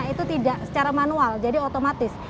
itu tidak secara manual jadi otomatis